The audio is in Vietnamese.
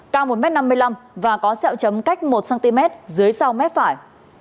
cao một m năm mươi năm và có sẹo chấm cách một cm dưới sau mép phải